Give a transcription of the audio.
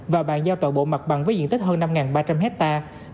và bàn giao toàn bộ mặt bằng với diện tích hơn năm ba trăm linh hectare